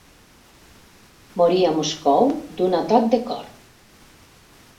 Morí a Moscou d'un atac de cor.